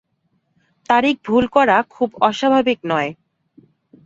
তারিখ ভুল করা খুব অস্বাভাবিক নয়।